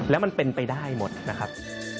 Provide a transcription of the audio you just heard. แล้วมันเป็นไปได้หมดนะครับ